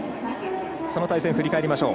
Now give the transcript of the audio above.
その対戦、振り返りましょう。